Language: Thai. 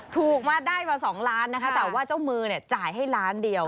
ถูกมาได้มา๒ล้านนะคะแต่ว่าเจ้ามือเนี่ยจ่ายให้ล้านเดียว